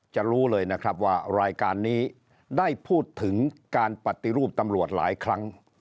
จะรู้เลยนะครับว่ารายการนี้ได้พูดถึงการปฏิรูปตำรวจหลายครั้ง